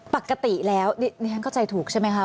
ปกติแล้วดิฉันเข้าใจถูกใช่ไหมคะ